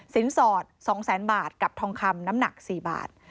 สินสอดสองแสนบาทกับทองคำน้ำหนักสี่บาท